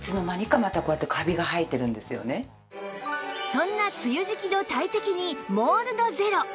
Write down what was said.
そんな梅雨時季の大敵にモールドゼロ